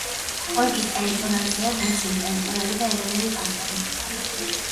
ოლქის ტერიტორიაზეა დაცული ტერიტორიები და ეროვნული პარკები.